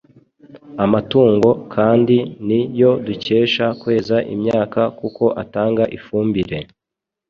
Amatungo kandi ni yo dukesha kweza imyaka kuko atanga ifumbire.